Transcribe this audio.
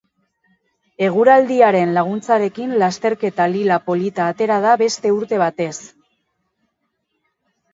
Eguraldiaren laguntzarekin lasterketa lila polita atera da beste urte batez.